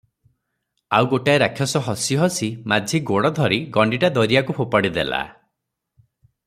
ଆଉ ଗୋଟାଏ ରାକ୍ଷସ ହସି ହସି ମାଝି ଗୋଡ ଧରି ଗଣ୍ଡିଟା ଦରିଆକୁ ଫୋପାଡ଼ି ଦେଲା ।